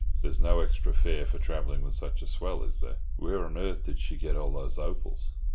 There's no extra fare for travelling with such a swell, is there? Where on earth did she get all those opals?"